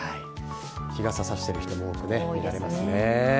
日傘を差している人も多く見られますね。